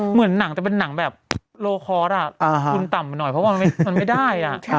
เหมือนหนังแต่เลยหน่อยคติศาสตร์ต่ำหน่อยเพราะว่าไม่ได้